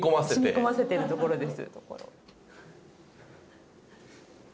染み込ませてるところです。